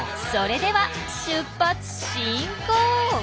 それでは出発進行！